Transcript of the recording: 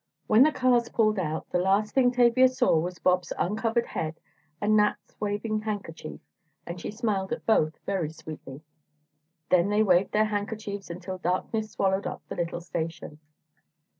When the cars pulled out, the last thing Tavia saw was Bob's uncovered head and Nat's waving handkerchief, and she smiled at both very sweetly. Then they waved their handkerchiefs until darkness swallowed up the little station.